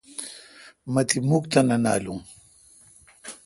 مہ تی مھک تہ نہ نالو۔